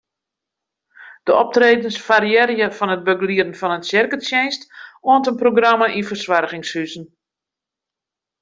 De optredens fariearje fan it begelieden fan in tsjerketsjinst oant in programma yn fersoargingshuzen.